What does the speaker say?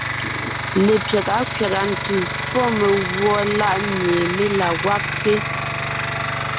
Lepyága kẅàga ntʉ̀ pɔ́ megùɔ láʼ mie mé la gwagte.